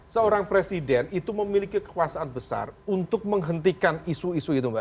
seorang presiden itu memiliki kekuasaan besar untuk menghentikan isu isu itu mbak